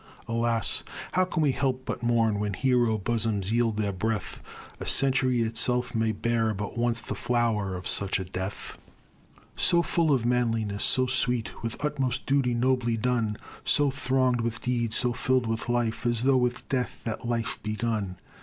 Alas, how can we help but mourn When hero bosoms yield their breath! A century itself may bear But once the flower of such a death; So full of manliness, so sweet With utmost duty nobly done; So thronged with deeds, so filled with life, As though with death that life begun.